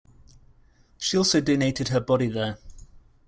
She also donated her body there.